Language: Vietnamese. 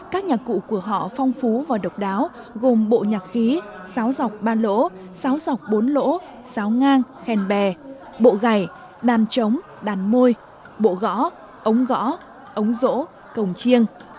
các nhạc cụ của họ phong phú và độc đáo gồm bộ nhạc khí sáo dọc ba lỗ sáo dọc bốn lỗ sáo ngang khen bè bộ gầy đàn trống đàn môi bộ gõ ống gõ ống rỗ cổng chiêng